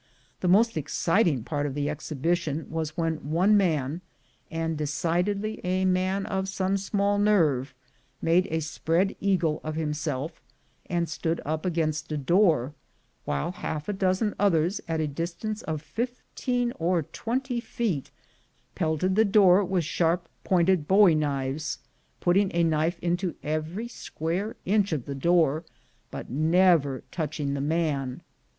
The most exciting part of the exhibition was when one man, and decidedly a man of some little nerve, made a spread eagle of himself and stood up against a door, while half a dozen others, at a distance of fifteen or twenty feet, pelted the door with sharp pointed bowie knives, putting a knife into every square inch of the door, but never touching the man.